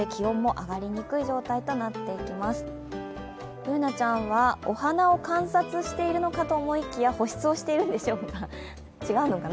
Ｂｏｏｎａちゃんはお花を観察しているのかと思いきや保湿をしているんでしょうか、違うのかな？